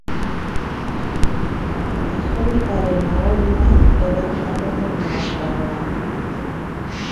Afroditaren ohoretan eraikitako tenplu bat dago han.